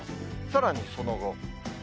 さらにその後。